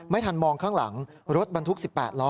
ไม่ทันมองข้างหลังรถบันทุกข์๑๘ล้อ